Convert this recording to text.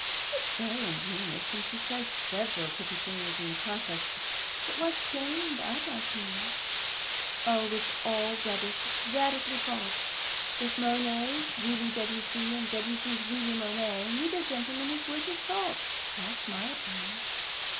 It's very ingenious, and she says several pretty things in the process, but what's gained, I'd like to know? Oh, it's all rubbish, radically false. If Monet's really Debussy, and Debussy's really Monet, neither gentleman is worth his salt that's my opinion.